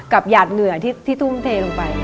หยาดเหงื่อที่ทุ่มเทลงไป